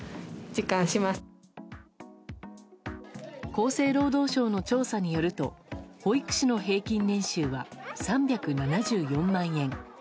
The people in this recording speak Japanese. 厚生労働省の調査によると保育士の平均年収は３７４万円。